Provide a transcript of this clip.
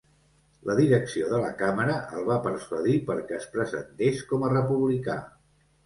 La direcció de la Càmera el va persuadir perquè es presentés com a republicà.